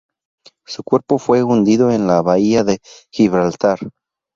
Su cuerpo fue hundido en la bahía de Gibraltar.